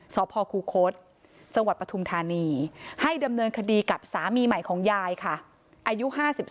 สพคูคศจังหวัดปฐุมธานีให้ดำเนินคดีกับสามีใหม่ของยายค่ะอายุ๕๒